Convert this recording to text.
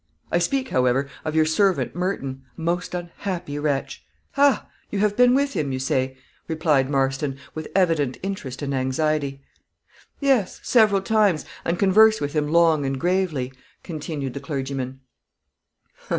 I speak, however, of your servant, Merton a most unhappy wretch." "Ha! you have been with him, you say?" replied Marston, with evident interest and anxiety. "Yes, several times, and conversed with him long and gravely," continued the clergyman.